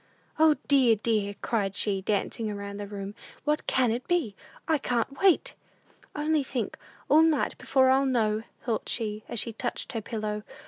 "O, dear, dear!" cried she, dancing about the room; "what can it be? I can't wait!" "Only think; all night before I'll know," thought she, as she touched her pillow.